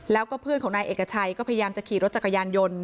แล้วก็เพื่อนของนายเอกชัยก็พยายามจะขี่รถจักรยานยนต์